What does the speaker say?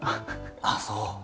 ああそう。